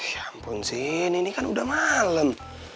ya ampun sin ini kan udah malem